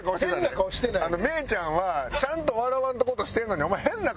芽郁ちゃんはちゃんと笑わんとこうとしてるのにお前変な顔。